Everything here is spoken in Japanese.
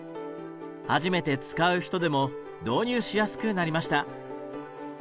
初めて使う人でも導入しやすくなりました。